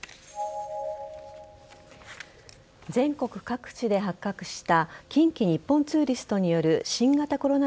全国各地で発覚した近畿日本ツーリストによる新型コロナ